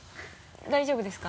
大丈夫ですか？